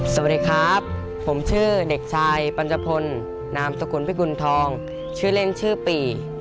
สวัสดีครับผมชื่อเด็กชายปัญจพลนามสกุลพิกุณฑองชื่อเล่นชื่อปี